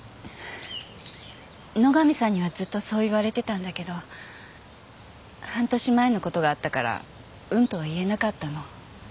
野上さんにはずっとそう言われてたんだけど半年前のことがあったからうんとは言えなかったの。